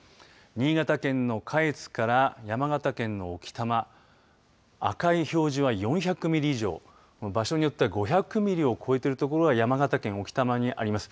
新潟県の下越から山形県の置賜赤い表示は４００ミリ以上場所によっては５００ミリを超えている所が山形県置賜にあります。